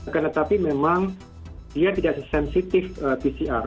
karena tapi memang dia tidak sensitif pcr